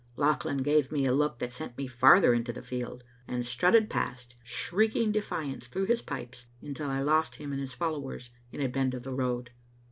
Lauchlan gave me a look that sent me farther into the field, and strutted past, shrieking defiance through his pipes, until I lost him and his followers in a bend of the road.